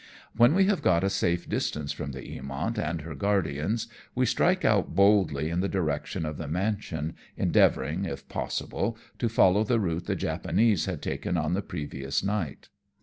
When we have got a safe distance from the Eamont and her guardians we strike out boldly in the direction of the mansion, endeavouring, if possible, to follow the route the Japanese had taken on the previous night.